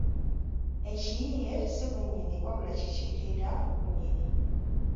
Ekiyiiye si bunnyini wabula kikiikirira bunnyini